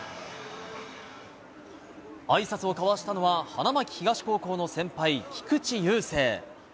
あいさつを交わしたのは、花巻東高校の先輩、菊池雄星。